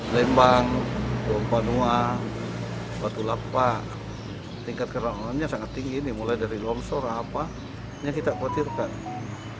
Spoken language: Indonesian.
lembang duampanua batu lapa tingkat kerangannya sangat tinggi mulai dari lomsor rahapah ini kita khawatirkan